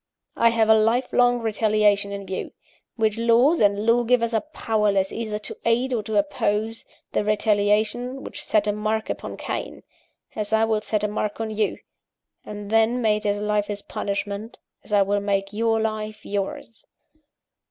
I have a lifelong retaliation in view, which laws and lawgivers are powerless either to aid or to oppose the retaliation which set a mark upon Cain (as I will set a mark on you); and then made his life his punishment (as I will make your life yours).